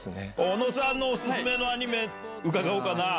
小野さんのオススメのアニメ伺おうかな。